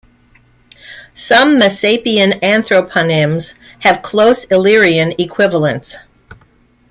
Some Messapian anthroponyms have close Illyrian equivalents.